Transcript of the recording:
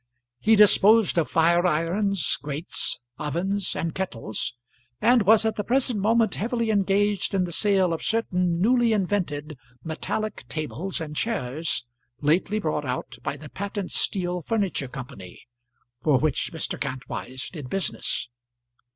He disposed of fire irons, grates, ovens, and kettles, and was at the present moment heavily engaged in the sale of certain newly invented metallic tables and chairs lately brought out by the Patent Steel Furniture Company, for which Mr. Kantwise did business.